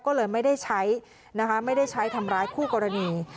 ก็เลยไม่ได้ใช้นะคะไม่ได้ใช้ทำร้ายคู่กรณี